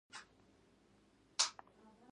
ځکه که خوشې وي، دا وګوره دا وړوکی طالب یې.